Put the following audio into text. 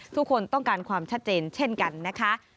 ทุกคนต้องการความชัดเจนเช่นกันนะคะ